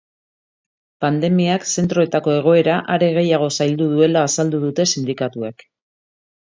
Pandemiak zentroetako egoera are gehiago zaildu duela azaldu dute sindikatuek.